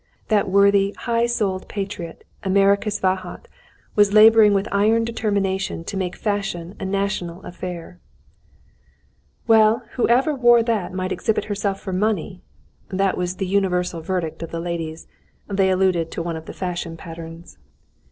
That worthy, high souled patriot, Emericus Vahot, was labouring with iron determination to make fashion a national affair. [Footnote 14: Fashionable journal.] "Well, whoever wore that might exhibit herself for money!" That was the universal verdict of the ladies. They alluded to one of the fashion patterns.